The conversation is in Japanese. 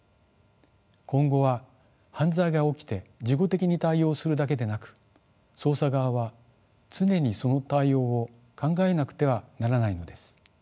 今後は犯罪が起きて事後的に対応するだけでなく捜査側は常にその対応を考えなくてはならないのです。